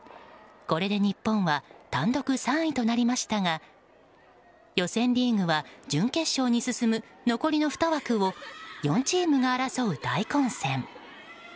これで日本は単独３位となりましたが予選リーグは準決勝に進む残りの２枠を４チームが争う大混戦。